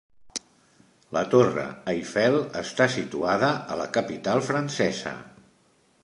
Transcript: La Torre Eiffel està situada a la capital francesa.